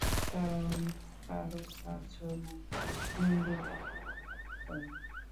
তারা অনেক কারুকার্যময় মন্দির নির্মাণ করে।